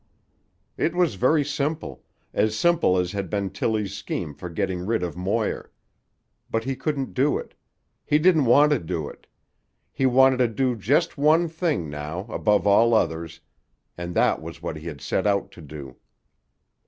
It was very simple, as simple as had been Tillie's scheme for getting rid of Moir. But he couldn't do it. He didn't want to do it. He wanted to do just one thing now, above all others, and that was what he set out to do.